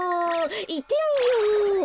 いってみよう！